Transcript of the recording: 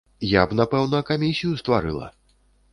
Я б напэўна камісію стварыла.